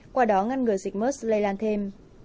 qua đó ngăn ngừa dịch mers lây lan thêm